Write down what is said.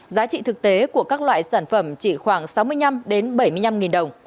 giá trị thực tế của các loại sản phẩm chỉ khoảng sáu mươi năm bảy mươi năm đồng